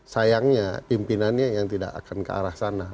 sayangnya pimpinannya yang tidak akan ke arah sana